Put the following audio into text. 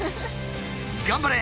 頑張れ！